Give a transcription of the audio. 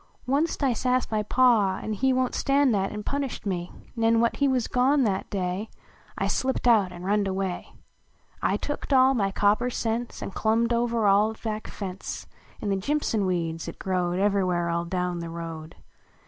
WUNST T sasscd my Pa, an he "Won t staiul that, an punished me, Nen when he \vas gone that day, I slipped out an runned away. I tooked all my copper cents. An clumhed over our back tence In the jimpson wecds at Crowed Ever where all down the road.